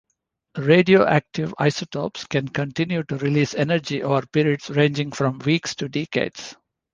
Radioactive isotopes can continue to release energy over periods ranging from weeks to decades.